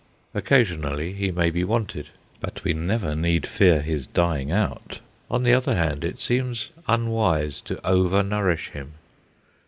Occasionally he may be wanted, but we never need fear his dying out. On the other hand, it seems unwise to over nourish him.